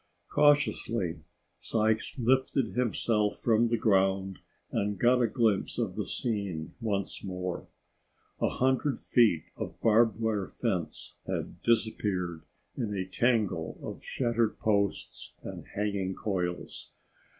Cautiously, Sykes lifted himself from the ground and got a glimpse of the scene once more. A hundred feet of barbed wire fence had disappeared in a tangle of shattered posts and hanging coils.